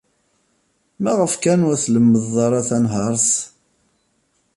Maɣef kan ur tlemmded ara tanhaṛt?